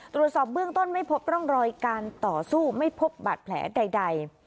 ตรวจสอบเบื้องต้นไม่พบร่องรอยการต่อสู้ไม่พบบาดแผลใด